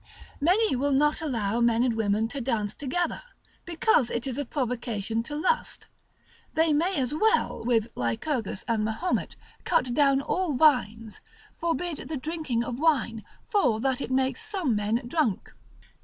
Many will not allow men and women to dance together, because it is a provocation to lust: they may as well, with Lycurgus and Mahomet, cut down all vines, forbid the drinking of wine, for that it makes some men drunk.